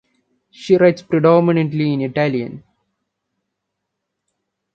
She writes predominantly in Italian.